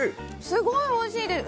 すごいおいしいです。